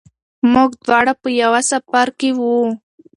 موږ دواړه په یوه سفر کې وو.